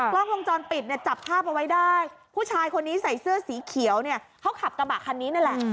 กล้องวงจรปิดเนี่ยจับภาพเอาไว้ได้ผู้ชายคนนี้ใส่เสื้อสีเขียวเนี่ยเขาขับกระบะคันนี้นั่นแหละ